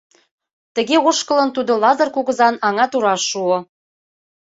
Тыге ошкылын, тудо Лазыр кугызан аҥа тураш шуо.